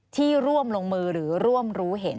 ที่ร่วมลงมือหรือร่วมรู้เห็น